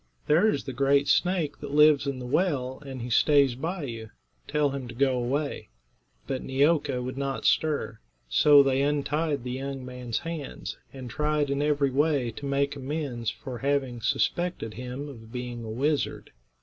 There is the great snake that lives in the well, and he stays by you. Tell him to go away." But Neeoka would not stir. So they untied the young man's hands, and tried in every way to make amends for having suspected him of being a wizard.